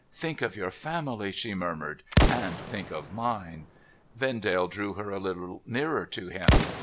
' Think of your family,' she murmured ;' and think of mine !' Vendale drew her a little nearer to him.